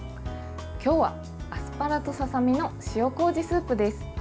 今日はアスパラとささみの塩こうじスープです。